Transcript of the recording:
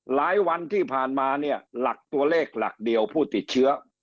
หลายวันที่ผ่านมาเนี่ยหลักตัวเลขหลักเดียวผู้ติดเชื้อ